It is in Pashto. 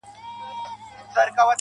خدايه سندرو کي مي ژوند ونغاړه_